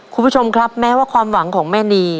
คุณผู้ชมครับแม้ว่าความหวังของแม่นี